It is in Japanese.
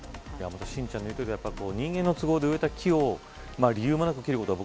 心ちゃんの言うとおり人間の都合で植えた木を理由もなく切ることは